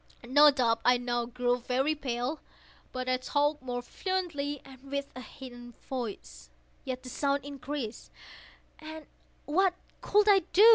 No doubt I now grew very pale;—but I talked more fluently, and with a heightened voice. Yet the sound increased—and what could I do?